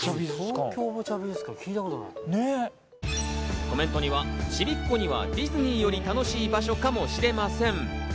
コメントには、ちびっ子にはディズニーより楽しい場所かもしれません。